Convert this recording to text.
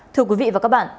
thưa quý vị và các bạn